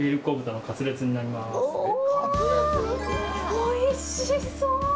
おいしそ！